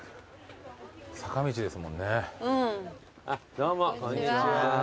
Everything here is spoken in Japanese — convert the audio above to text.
どうもこんにちは。